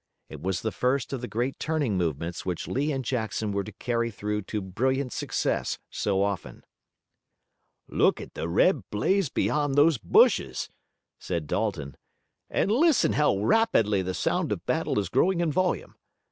It was the first of the great turning movements which Lee and Jackson were to carry through to brilliant success so often. "Look at the red blaze beyond those bushes," said Dalton, "and listen how rapidly the sound of the battle is growing in volume.